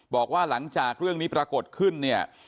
บอกว่าหลังจากเรื่องนี้ปรากฏขึ้นเนี่ย